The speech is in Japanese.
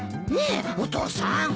ねえお父さん。